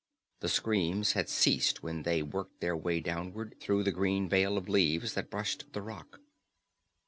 The screams had ceased when they worked their way downward through the green veil of leaves that brushed the rock.